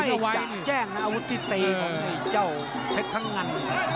ไม่จากแจ้งนะอวุธสิตีของเจ้าเผชรพังอัน